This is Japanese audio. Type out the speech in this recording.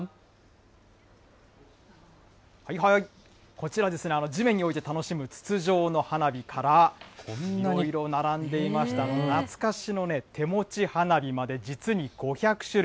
こちら、地面に置いて楽しむ筒状の花火から、いろいろと並んでいました、懐かしのね、手持ち花火まで実に５００種類。